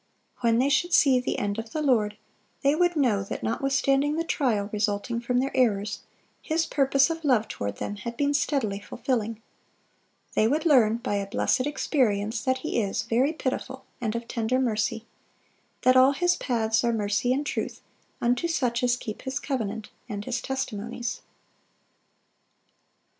When they should see the "end of the Lord," they would know that notwithstanding the trial resulting from their errors, His purposes of love toward them had been steadily fulfilling. They would learn by a blessed experience that He is "very pitiful, and of tender mercy;" that all His paths "are mercy and truth unto such as keep His covenant and His testimonies." 20.